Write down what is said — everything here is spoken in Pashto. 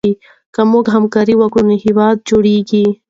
که موږ همکاري وکړو نو هېواد جوړېږي.